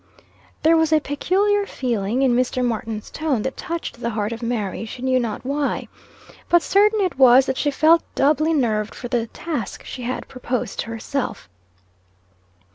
There was a peculiar feeling in Mr. Martin's tone that touched the heart of Mary, she knew not why. But certain it was, that she felt doubly nerved for the task she had proposed to herself.